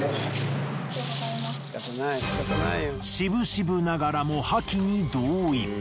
渋々ながらも破棄に同意。